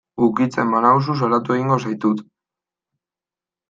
Ukitzen banauzu salatu egingo zaitut.